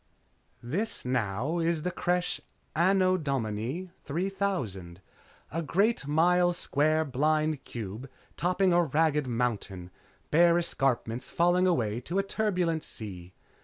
__This, now, is the Creche, Anno Domini 3000. A great mile square blind cube topping a ragged mountain; bare escarpments falling away to a turbulent sea.